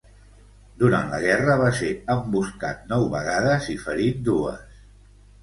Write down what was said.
Durant la guerra, va ser emboscat nou vegades i ferit dues.